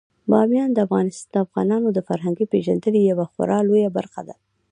بامیان د افغانانو د فرهنګي پیژندنې یوه خورا لویه برخه ده.